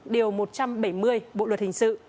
điều một trăm bảy mươi bộ luật hình sự